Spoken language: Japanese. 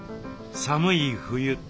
寒い冬。